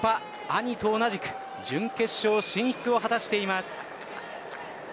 兄と同じく準決勝進出を果たしています。